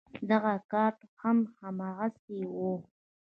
دغه کارت هم هماغسې و.